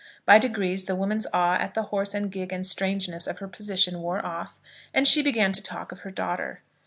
By degrees the woman's awe at the horse and gig and strangeness of her position wore off, and she began to talk of her daughter.